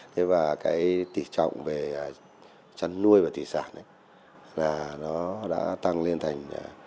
thế và cái tỉ trọng về chăn nuôi và tỉ sản là nó đã tăng lên thành năm mươi tám bảy mươi một